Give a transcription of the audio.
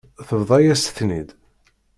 Tebḍa-yas-ten-id.